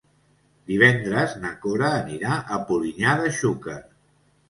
Divendres na Cora anirà a Polinyà de Xúquer.